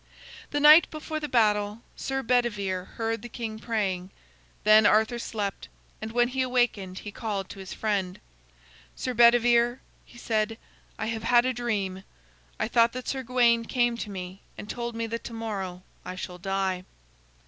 The night before the battle, Sir Bedivere heard the king praying. Then Arthur slept, and when he awakened he called to his friend: "Sir Bedivere," he said, "I have had a dream. I thought that Sir Gawain came to me and told me that to morrow I shall die."